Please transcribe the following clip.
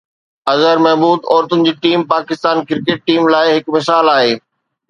اظهر محمود عورتن جي team Pakistan cricket team لاءِ هڪ مثال آهي